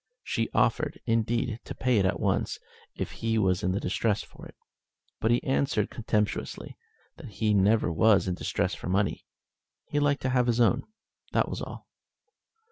She offered, indeed, to pay it at once if he was in distress for it, but he answered contemptuously that he never was in distress for money. He liked to have his own, that was all.